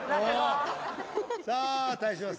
さあ対します。